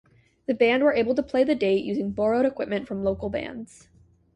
The band were able to play the date using borrowed equipment from local bands.